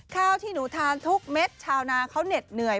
ข้าวที่หนูทานทุกเม็ดชาวนาเขาเหน็ดเหนื่อย